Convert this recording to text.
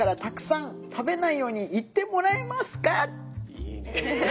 いいね。